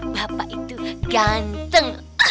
bapak itu ganteng